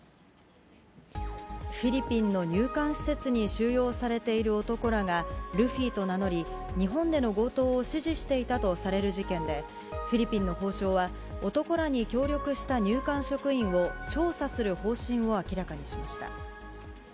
フィリピンの入管施設に収容されている男らが、ルフィと名乗り、日本での強盗を指示していたとされる事件で、フィリピンの法相は、男らに協力した入管職員を、調査する方針を明らかにしました。